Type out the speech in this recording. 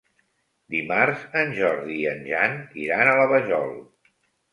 Dimarts en Jordi i en Jan iran a la Vajol.